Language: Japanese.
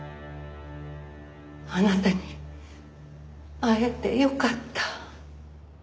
あなたに会えてよかった。